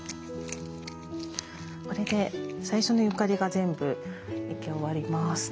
これで最初のユーカリが全部生け終わります。